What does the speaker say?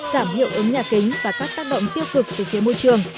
giảm hiệu ứng nhà kính và các tác động tiêu cực từ phía môi trường